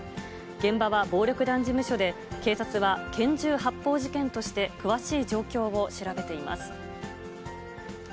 現場は暴力団事務所で、警察は、拳銃発砲事件として、詳しい状況を調べています。